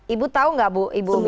ibu tahu nggak ibu umi